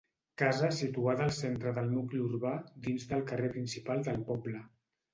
Casa situada al centre del nucli urbà, dins del carrer principal del poble.